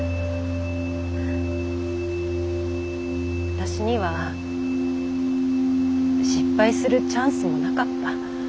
私には失敗するチャンスもなかった。